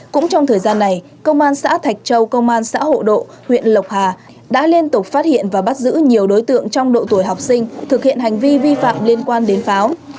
cũng trong thời gian này công an xã thạch châu công an xã hộ độ huyện lộc hà đã liên tục phát hiện và bắt giữ nhiều đối tượng trong độ tuổi học sinh thực hiện hành vi vi phạm liên quan đến pháo